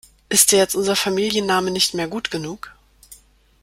Ist dir jetzt unser Familienname nicht mehr gut genug?